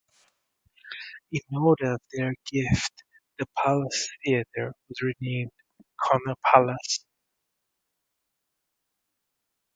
In honor of their gift the Palace Theatre was renamed Connor Palace.